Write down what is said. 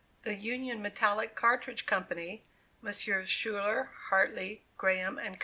The Union Metallic Cartridge Company, Messrs. Schuyler, Hartley, Graham & Co.